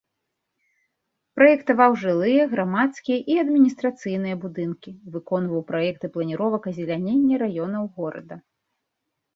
Праектаваў жылыя, грамадскія і адміністрацыйныя будынкі, выконваў праекты планіровак азелянення раёнаў горада.